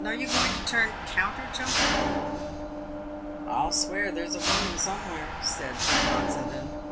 Are you going to turn counter jumper ?" u I'll swear there's a woman somewhere," said Tom Oxendon."